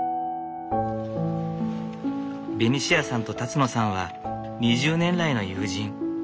ベニシアさんと辰野さんは２０年来の友人。